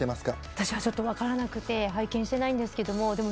私はちょっと分からなくて拝見してないんですけども。